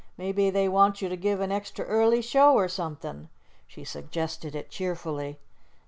"Maybe they want you to give an extra early show or somethin'." She suggested it cheerfully.